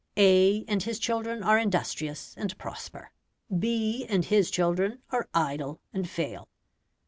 A and his children are industrious, and prosper; B and his children are idle, and fail.